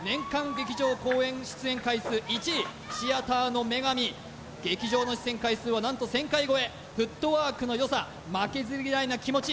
劇場公演出演回数１位シアターの女神劇場の出演回数はなんと１０００回超えフットワークのよさ負けず嫌いな気持ち